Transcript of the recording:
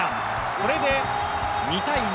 これで２対２。